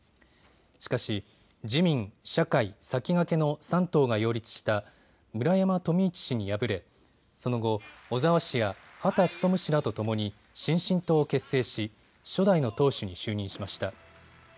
しかし自民、社会、さきがけの３党が擁立した村山富市氏に敗れその後、小沢氏や羽田孜氏らとともに新進党を結成し初代の党首に就任しました。